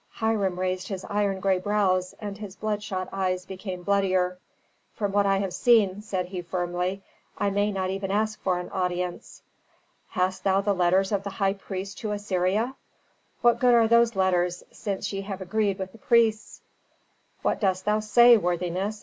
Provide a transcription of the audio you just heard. Hiram raised his iron gray brows, and his bloodshot eyes became bloodier. "From what I have seen," said he firmly, "I may even not ask for an audience." "Hast thou the letters of the high priest to Assyria?" "What good are those letters, since ye have agreed with the priests?" "What dost thou say, worthiness?"